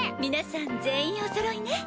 皆さん全員おそろいね。